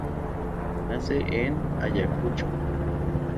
Nace en Ayacucho.